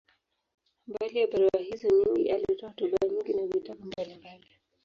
Mbali ya barua hizo nyingi, alitoa hotuba nyingi na vitabu mbalimbali.